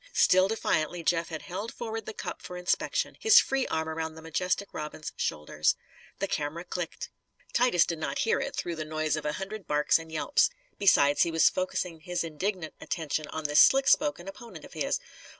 Still defiantly, Jeff had held forward the cup for inspection, his free arm around the majestic Robin's shoulders. The camera clicked. Titus did not hear it, through the noise of a hundred barks and yelps. Besides, he was focusing his indignant attention on this slick spoken opponent of his.